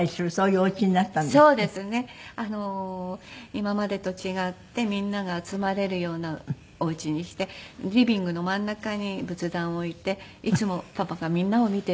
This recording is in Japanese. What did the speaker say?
今までと違ってみんなが集まれるようなお家にしてリビングの真ん中に仏壇を置いていつもパパがみんなを見ているような。